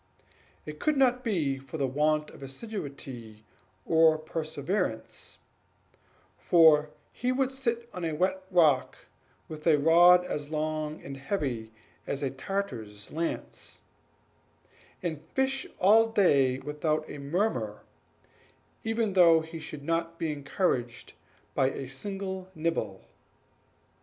It could not be from the want of assiduity or perseverance; for he would sit on a wet rock, with a rod as long and heavy as a Tartar's lance, and fish all day without a murmur, even though he should not be encouraged by a single nibble.